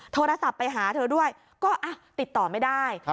โทรศัพท์ไปหาเธอด้วยก็ติดต่อไม่ได้